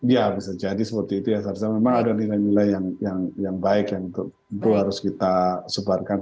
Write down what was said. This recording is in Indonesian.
ya bisa jadi seperti itu ya sarja memang ada nilai nilai yang baik yang tentu harus kita sebarkan